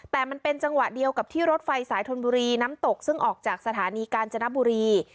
แต่มันเป็นจังหวะเดียวกับที่รถไฟสายธนบุรีน้ำตกซึ่งออกจากสถานีกาญจนบุรี